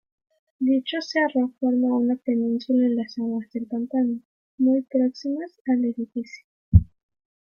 Dicho cerro forma una península en las aguas del pantano, muy próximas al edificio.